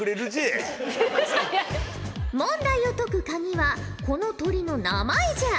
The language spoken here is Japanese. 問題を解くカギはこの鳥の名前じゃ。